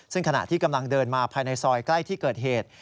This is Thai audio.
ซึ่งขณะที่กำลังเดินมาภายในซอยใกล้ที่เกิดเหตุ